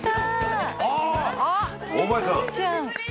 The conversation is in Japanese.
大林さん」